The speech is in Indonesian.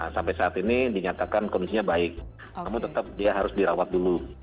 sampai saat ini dinyatakan kondisinya baik namun tetap dia harus dirawat dulu